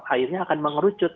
akhirnya akan mengerucut